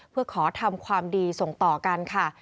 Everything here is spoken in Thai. เพื่อขอทำความดีส่งต่อกันค่ะ